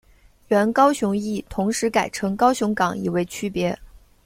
原高雄驿同时改称高雄港以为区别。